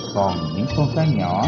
còn những con cá nhỏ